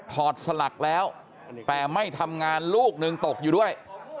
อดสลักแล้วแต่ไม่ทำงานลูกหนึ่งตกอยู่ด้วย